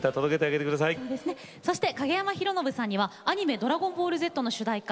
そして影山ヒロノブさんには、アニメ「ドラゴンボールＺ」の主題歌